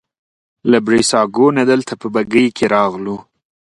له بریساګو نه دلته په بګۍ کې راغلو.